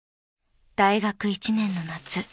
［大学１年の夏